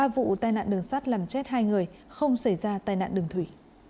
ba vụ tai nạn đường sắt làm chết hai người không xảy ra tai nạn đường thủy